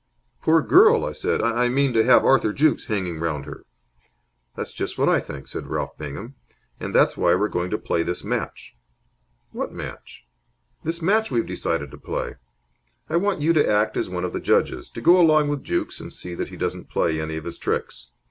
"Poor girl!" I said. "I mean, to have Arthur Jukes hanging round her." "That's just what I think," said Ralph Bingham. "And that's why we're going to play this match." "What match?" "This match we've decided to play. I want you to act as one of the judges, to go along with Jukes and see that he doesn't play any of his tricks.